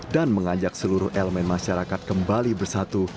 dan mengajak seluruh elemen masyarakat kembali bersatu